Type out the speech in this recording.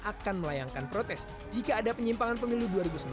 akan melayangkan protes jika ada penyimpangan pemilu dua ribu sembilan belas